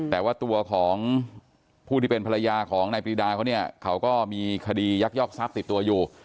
แต่ว่าตัวของผู้ที่เป็นภรรยาของนายปรีดาเขาเนี่ยเขาก็มีคดียักยอกทรัพย์ติดตัวอยู่